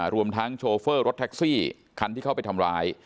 รวมทั้งโชเฟอร์รถแท็กซี่คันที่เข้าไปทำร้าย